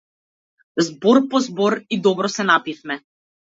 Збор по збор, и добро се напивме.